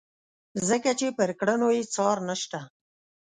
ځکه چې پر کړنو یې څار نشته.